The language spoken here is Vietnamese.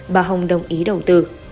bà hồng đồng ý đầu tư